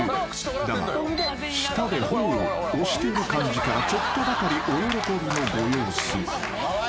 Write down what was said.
［だが舌で頬を押している感じからちょっとばかりお喜びのご様子］